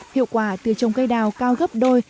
hiệu quả từ trồng cây đào cao gấp đôi